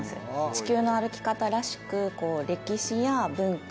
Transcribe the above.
「地球の歩き方」らしく歴史や文化